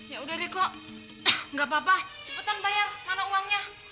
ya udah deh kok nggak apa apa cepet cepetan bayar karena uangnya